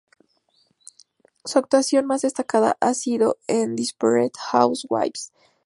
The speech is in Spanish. Su actuación más destacada ha sido en "Desperate Housewives", como Austin McCann.